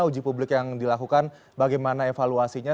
uji publik yang dilakukan bagaimana evaluasinya